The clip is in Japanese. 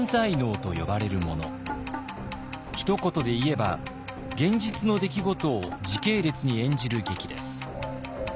ひと言で言えば現実の出来事を時系列に演じる劇です。